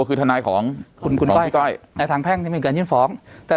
คือทนายของคุณคุณก้อยในทางแพ่งที่มีการยื่นฟ้องแต่